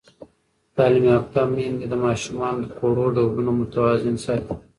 تعلیم یافته میندې د ماشومانو د خوړو ډولونه متوازن ساتي.